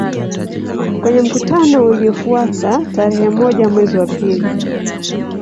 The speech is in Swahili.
Kwenye mkutano uliofuata tarehe moja mwezi wa pili